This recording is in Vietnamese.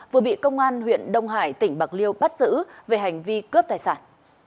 vừa bị công an huyện đông hải tỉnh bạc liêu bắt giữ về hành vi cướp tài sản